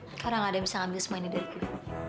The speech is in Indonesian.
sekarang ada yang bisa ambil semua ini dari gue